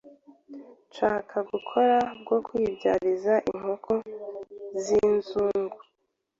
nshaka gukora bwo kwibyariza inkoko zinzungu